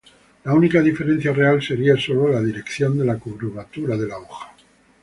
La única diferencia real sería sólo la dirección de la curvatura de la hoja.